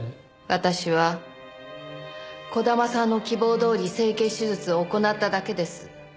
私は児玉さんの希望どおり整形手術を行っただけです。